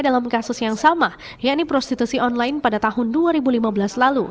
dalam kasus yang sama yakni prostitusi online pada tahun dua ribu lima belas lalu